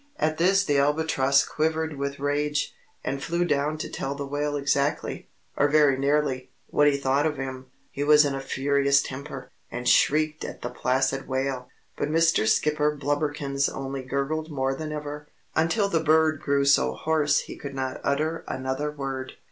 At this the Albatross quivered with rage, and flew down to tell the Whale exactly or very nearly what he thought of him. He was in a furious temper, and shrieked at the placid Whale. But Mr. Skipper Blubberkins only gurgled more than ever, until the bird grew so hoarse he could not utter another word.